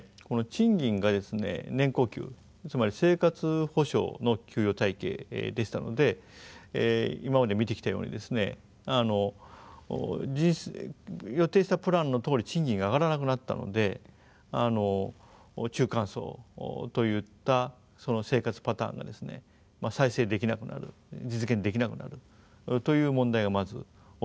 賃金が年功給つまり生活保障の給与体系でしたので今まで見てきたようにですね予定したプランのとおり賃金が上がらなくなったので中間層といった生活パターンが再生できなくなる実現できなくなるという問題がまず起きたと思いますね。